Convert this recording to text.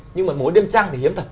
nhưng mà muối đêm trăng thì hiếm thật